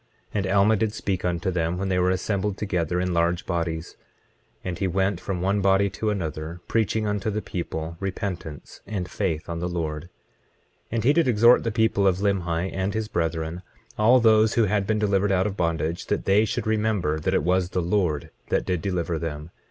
25:15 And Alma did speak unto them, when they were assembled together in large bodies, and he went from one body to another, preaching unto the people repentance and faith on the Lord. 25:16 And he did exhort the people of Limhi and his brethren, all those that had been delivered out of bondage, that they should remember that it was the Lord that did deliver them.